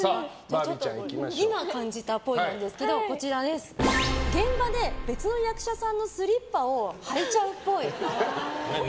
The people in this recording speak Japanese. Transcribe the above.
今、感じたぽいなんですけど現場で別の役者さんのスリッパを履いちゃうっぽい。